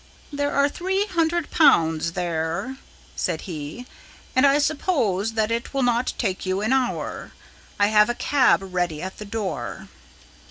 "There are one hundred pounds there," said he, "and I promise you that it will not take you an hour. I have a cab ready at the door."